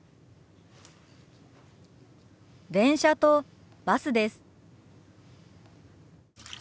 電車とバスです。